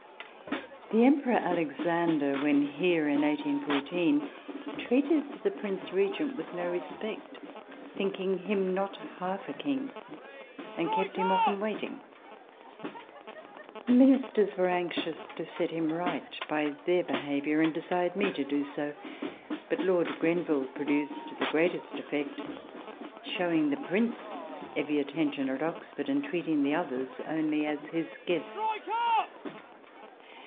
The Emperor Alexander, when here [in 1814], treated the Prince Regent with no respect, thinking him not half a king, and kept him often waiting. Ministers were anxious to set him right, by their 250 RECOLLECTIONS OF THE behaviour ; and desired me to do so ; but Lord Grenville* produced the greatest effect, showing the Prince every attention at Oxford, and treating the others only as his guests.